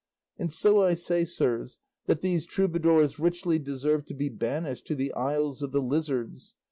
And so I say, sirs, that these troubadours richly deserve to be banished to the isles of the lizards.